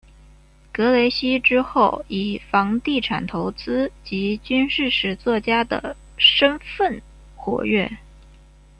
格雷西之后以房地产投资及军事史作家的身分活跃。